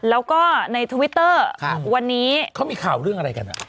แล้วก็ในทวิตเตอร์วันนี้เขามีข่าวเรื่องอะไรกัน